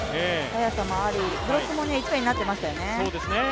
速さもあり、ブロックも一枚になってましたよね。